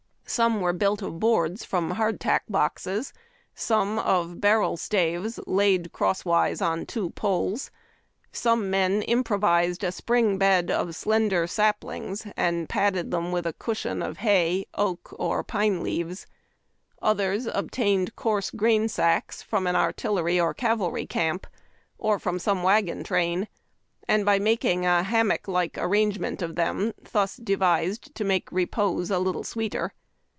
Some were built of boards from hardtack boxes ; some of barrel staves laid crosswise on two poles ; some men impro LIFE IN LOG HUTS. it) vised a spring bed of slender sajilings, and padded them witli a cushion of liay, oak or pine leaves; others obtained coarse grain sacks from an artillery or cavalry camp, or from some wagon train, and by niakiiig a hammock like arrange ment of them thus devised to make repose a little sweeter.